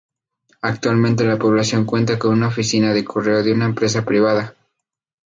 Actualmente la población cuenta con una oficina de correo de una empresa privada.